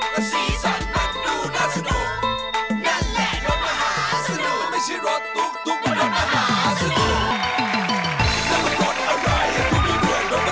และซีสันมันดูน่าสนุกนั่นแหละรถมหาสนุกมันไม่ใช่รถตุ๊กตุ๊กมันรถมหาสนุก